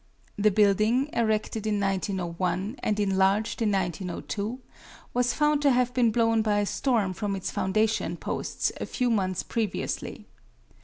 The building, erected in 1901 and enlarged in 1902, was found to have been blown by a storm from its foundation posts a few months previously.